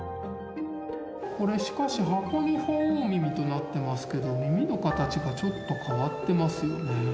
これしかし箱に「鳳凰耳」となってますけど耳の形がちょっと変わってますよね。